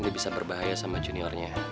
dia bisa berbahaya sama juniornya